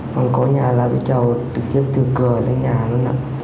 còn có nhà là tôi chào